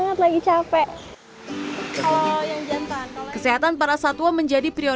sobat sahabat dan pandemik kerjasama moron berasal dari diri